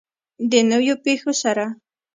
د نویو پیښو سره.